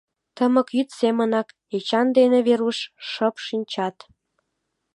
Тымык йӱд семынак, Эчан ден Веруш шып шинчат.